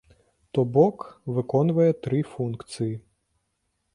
То бок, выконвае тры функцыі.